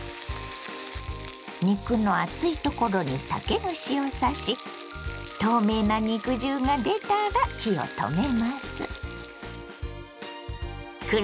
肉の厚いところに竹串を刺し透明な肉汁が出たら火を止めます。